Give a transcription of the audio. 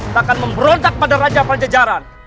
bahkan memberontak pada raja pajajaran